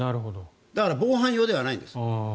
だから防犯用ではないんです。